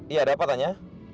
iya ada apa tanya